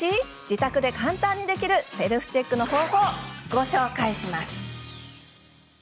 自宅で簡単にできるセルフチェックの方法をご紹介します。